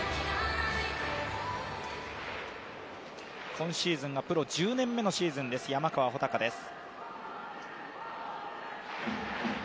今シーズンがプロ１０年目のシーズンです山川穂高です。